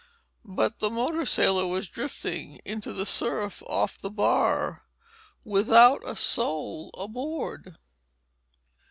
But the motor sailor was drifting—into the surf off the bar—without a soul aboard.